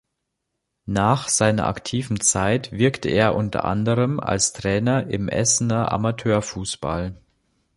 Nach seiner aktiven Zeit wirkte er unter anderem als Trainer im Essener Amateurfußball.